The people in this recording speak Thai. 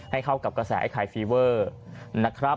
ให้เข้ากับกระแสไอ้ไข่ฟีเวอร์